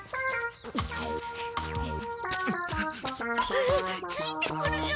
わっついてくるよ！？